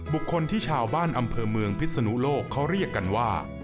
บุคคลที่ชาวบ้านอำเภอเมืองพิศนุโลกเขาเรียกกันว่า